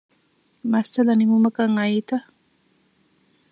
މައްސަލަ ނިމުމަކަށް އައީތަ؟